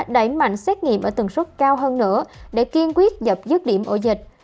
đẩy mạnh xét nghiệm ở tầng suất cao hơn nữa để kiên quyết dập dứt điểm ổ dịch